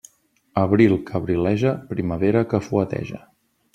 Abril que abrileja, primavera que fueteja.